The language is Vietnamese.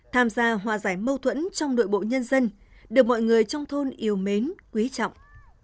tham gia hòa giải mâu thuẫn trong nội bộ nhân dân được mọi người trong thôn yêu mến quý trọng